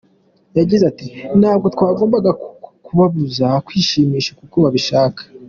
Yagize ati “Ntabwo twagombaga kubabuza kwishimisha uko babishaka.